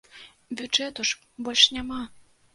Бюджэту ж больш няма!